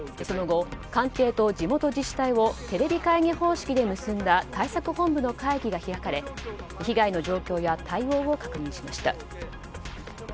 その後、官邸と地元自治体をテレビ会議方式で結んだ対策本部の会議が開かれ被害の状況や対応を確認しました。